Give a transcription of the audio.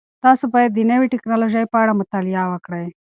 تاسو باید د نوې تکنالوژۍ په اړه مطالعه وکړئ.